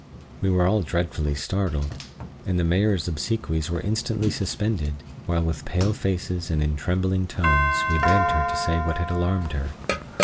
We were all dreadfully startled and the Mayor's obsequies were instantly suspended, while with pale faces and in trembling tones we begged her to say what had alarmed her.